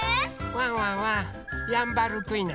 ワンワンはヤンバルクイナ。